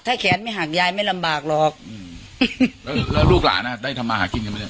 ถ้าแขนไม่หักยายไม่ลำบากหรอกแล้วลูกหลานาได้ทำอาหกินกันไหม